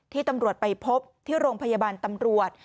ตำรวจไปพบที่โรงพยาบาลตำรวจ